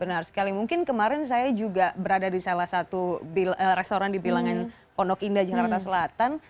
benar sekali mungkin kemarin saya juga berada di salah satu restoran di bilangan pondok indah jakarta selatan